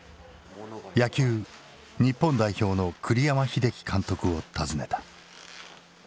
野球日本代表の栗山英樹監督を訪ねた。